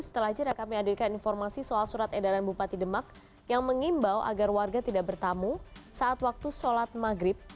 setelah jeda kami hadirkan informasi soal surat edaran bupati demak yang mengimbau agar warga tidak bertamu saat waktu sholat maghrib